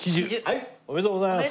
おめでとうございます。